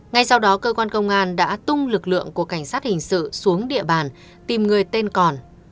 ngay sau đó cơ quan công an đã tung lực lượng của cảnh sát hình sự xuống địa bàn tìm người tên còn